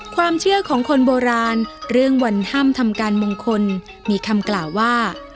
ความเชื่อของคนโบราณเรื่องวันห้ามทำการมงคลมีคำกล่าวว่า